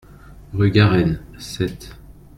Rue Garenne, Sète